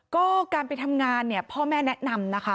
ก็การไปทำงานเนี่ยพ่อแม่แนะนำนะคะ